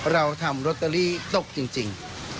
เราทำลอตเตอรี่ตกจริง